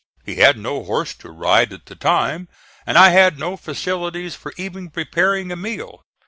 He had no horse to ride at the time, and I had no facilities for even preparing a meal.